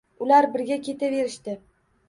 Ular birga ketaverishdi